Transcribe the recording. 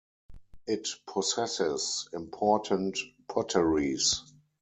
It possesses important potteries.